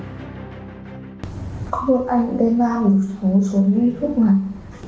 có một anh đem ra một số miếng thuốc mặt